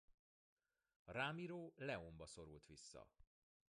Ramiro Leónba szorult vissza.